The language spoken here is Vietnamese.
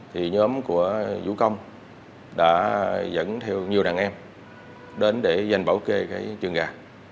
thì nhóm của vũ công đã dẫn theo nhiều đàn em đến để dành bảo kê cái trường gà